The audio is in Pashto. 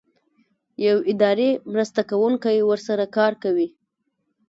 یو اداري مرسته کوونکی ورسره کار کوي.